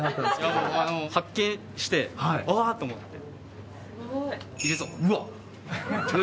発見してあーっ！と思って。